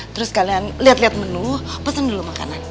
terus kalian liat liat menu pesen dulu makanan